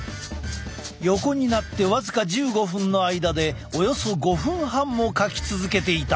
横になって僅か１５分の間でおよそ５分半もかき続けていた。